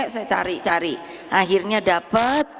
saya cari cari akhirnya dapat